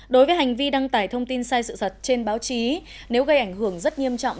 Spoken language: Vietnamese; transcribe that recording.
đối với hành vi đăng tải thông tin sai sự thật trên báo chí nếu gây ảnh hưởng rất nghiêm trọng